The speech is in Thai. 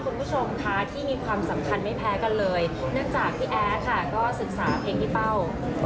เนื่องจากพี่แอ๊ะค่ะก็ศึกษาเพลงที่เป้า